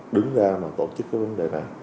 đứng ra mà tổ chức cái vấn đề này